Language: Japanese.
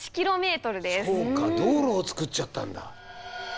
そうか道路を作っちゃったんだ。